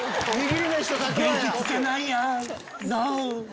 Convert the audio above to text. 元気つけないやのう。